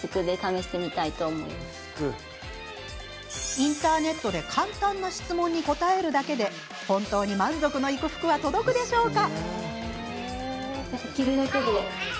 インターネットで簡単な質問に答えるだけで本当に満足のいく服は届くのでしょうか？